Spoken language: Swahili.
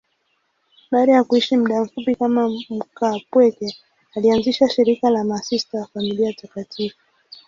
Baada ya kuishi muda mfupi kama mkaapweke, alianzisha shirika la Masista wa Familia Takatifu.